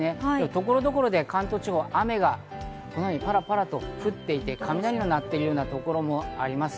ところどころで関東地方、雨がこのようにパラパラと降っていて、雷が鳴っているようなところもあります。